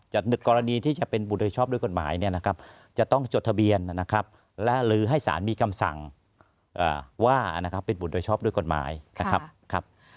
กรณีที่จะเป็นบุตรโดยชอบด้วยกฎหมายเนี่ยนะครับจะต้องจดทะเบียนนะครับและลือให้สารมีคำสั่งว่านะครับเป็นบุตรโดยชอบด้วยกฎหมายนะครับ